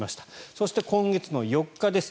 そして、今月４日です。